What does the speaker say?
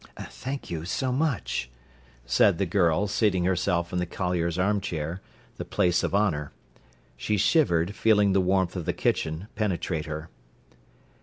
"Thank you so much," said the girl, seating herself in the collier's armchair, the place of honour. She shivered, feeling the warmth of the kitchen penetrate her.